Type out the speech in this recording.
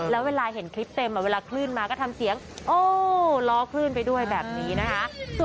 แล้วเวลาเห็นคลิปเต็มเวลาคลื่นมาก็ทำเสียงโอ้ล้อคลื่นไปด้วยแบบนี้นะคะ